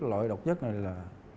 loại độc chất này là